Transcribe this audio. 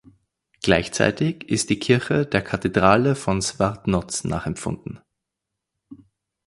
Gleichzeitig ist die Kirche der Kathedrale von Swartnoz nachempfunden.